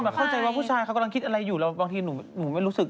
แต่เข้าใจว่าผู้ชายเขากำลังคิดอะไรอยู่แล้วบางทีหนูไม่รู้สึก